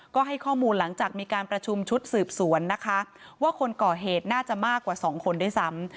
ก็ให้ข้อมูลหลังจากมีการประชุมชุดสืบสวนนะคะว่าคนก่อเหตุน่าจะมากกว่า๒คนด้วยซ้ำ